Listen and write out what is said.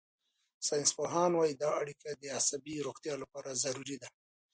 ساینسپوهان وايي دا اړیکه د عصبي روغتیا لپاره ضروري ده.